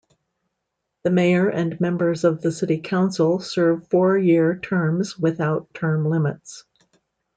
The mayor and members of the city council serve four-year terms without term limits.